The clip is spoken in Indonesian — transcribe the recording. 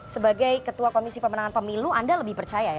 sebagai ketua komisi pemenangan pemilu anda lebih percaya ya